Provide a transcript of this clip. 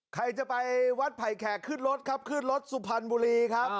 ใครจะไปวัดไผ่แขกขึ้นรถครับขึ้นรถสุพรรณบุรีครับ